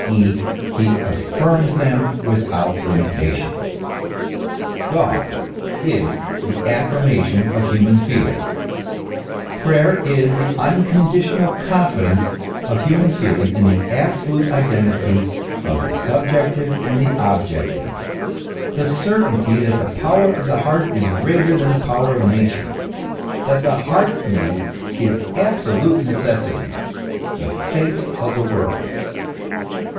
e., he affirms them without limitation. God is the affirmation* of human feeling ; prayer is the unconditional confidence of human feeling in the absolute identity of the subjective and objective, the certainty that the power of the heart is greater than the power of Nature, that the heart's need is absolute necessity, the Fate of the world.